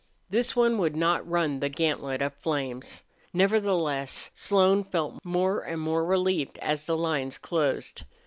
This one would not run the gantlet of flames. Nevertheless Slone felt more and more relieved as the lines closed.